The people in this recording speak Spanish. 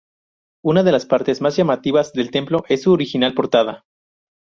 Una de las partes más llamativas del templo es su original portada.